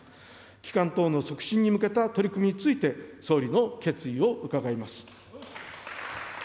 帰還等の促進に向けた取り組みについて、総理の決意を伺います。